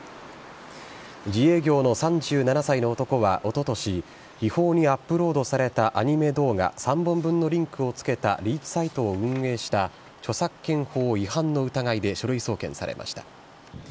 自営業の３７歳の男はおととし、違法にアップロードされたアニメ動画３本分のリンクをつけたリーチサイトを運営した、著作権法違反の疑いで書類送検されました。